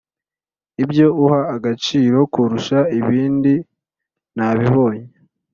ibyo uha agaciro kurusha ibindi nabibonye